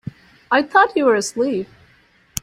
I thought you were asleep.